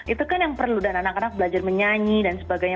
itu kan yang perlu dan anak anak belajar menyanyi dan sebagainya